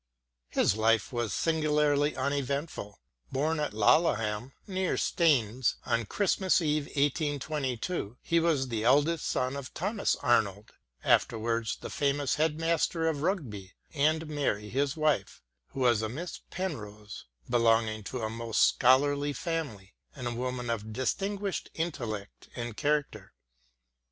His life was singularly uneventful. Born at Laleham, near Staines, on Christmas Eve 1822, he was the eldest son of Thomas Arnold, after wards the famous head master of Rugby, and Mary his wife, who was a Miss Penrose, belonging to a most scholarly family and a woman of distinguished intellect and character.